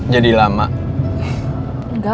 tapi yang sama aku anggun